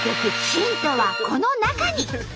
ヒントはこの中に！